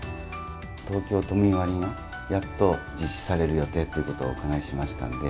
東京都民割が、やっと実施される予定ということをお伺いしましたので。